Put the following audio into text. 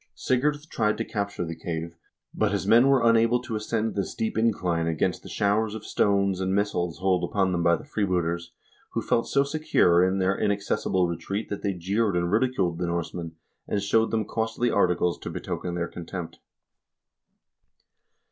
Sigurd tried to capture the cave, but his men were unable to ascend the steep incline against the showers of stones and missiles hurled upon them by the freebooters, who felt so secure in their inaccessible retreat that they jeered and ridiculed the Norse men, and showed them costly articles to betoken their contempt.